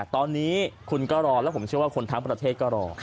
ตอนนี้คุณก็รอแล้วผมเชื่อว่าคนทั้งประเทศก็รอ